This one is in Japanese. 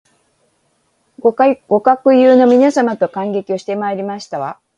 ご学友の皆様と観劇をしてまいりました